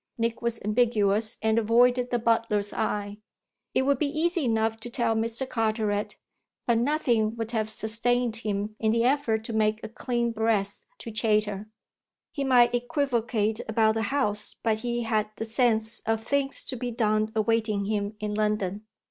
Nick was ambiguous and avoided the butler's eye. It would be easy enough to tell Mr. Carteret, but nothing would have sustained him in the effort to make a clean breast to Chayter. He might equivocate about the House, but he had the sense of things to be done awaiting him in London.